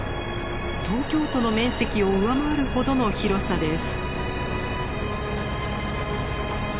東京都の面積を上回るほどの広さです。